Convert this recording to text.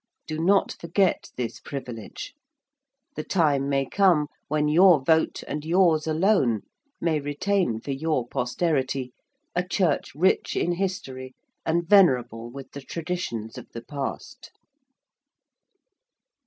Do not forget this privilege. The time may come when your vote and your's alone, may retain for your posterity a church rich in history and venerable with the traditions of the past.